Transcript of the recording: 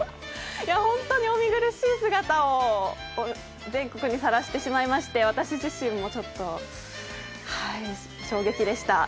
本当にお見苦しい姿を全国にさらしてしまいまして、私自身もちょっと、はい、衝撃でした。